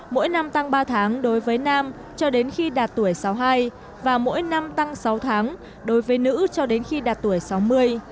mỗi năm tăng ba tháng đối với nam cho đến khi đạt tuổi sáu mươi hai và mỗi năm tăng sáu tháng đối với nữ cho đến khi đạt tuổi sáu mươi